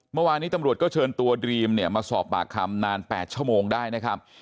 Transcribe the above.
เมื่อวานนี้ตำรวจก็เชิญตัวดรีมเนี่ยมาสอบปากคำนาน๘ชั่วโมงได้นะครับ